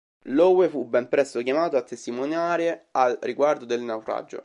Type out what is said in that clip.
Lowe fu ben presto chiamato a testimoniare al riguardo del naufragio.